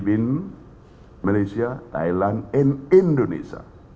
di dalam malaysia thailand dan indonesia